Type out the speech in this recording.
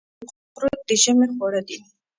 کورت یا قروت د ژمي خواړه دي.